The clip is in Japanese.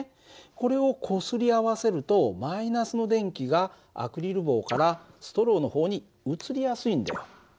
これをこすり合わせるとの電気がアクリル棒からストローの方に移りやすいんだよ。